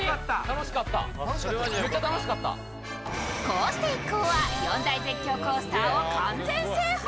こうして一行は四大絶叫コースターを完全制覇。